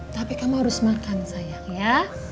tapi kamu harus makan sayang ya